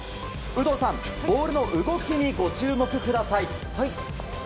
有働さん、ボールの動きにご注目ください！